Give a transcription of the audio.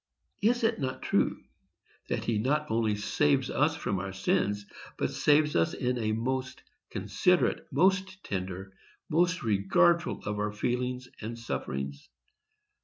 Is it not true that he not only saves us from our sins, but saves us in a way most considerate, most tender, most regardful of our feelings and sufferings?